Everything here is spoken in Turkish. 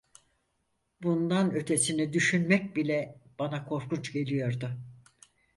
Bundan ötesini düşünmek bile bana korkunç geliyordu.